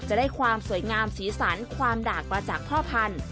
จะได้ความสวยงามสีสันความดากมาจากพ่อพันธุ